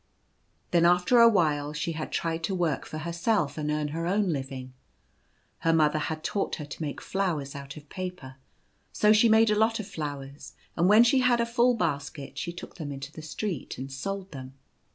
Then after a while she had tried to work for her self and earn her own living. Her mother had taught her to make flowers out of paper; so she made a lot of flowers, and when she had a full basket she took them into the street and sold them.